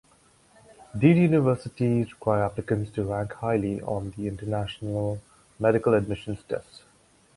These universities require applicants to rank highly on the International Medical Admissions Test.